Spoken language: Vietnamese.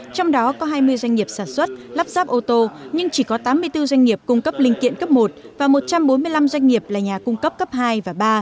trong đó có hai mươi doanh nghiệp sản xuất lắp ráp ô tô nhưng chỉ có tám mươi bốn doanh nghiệp cung cấp linh kiện cấp một và một trăm bốn mươi năm doanh nghiệp là nhà cung cấp cấp hai và ba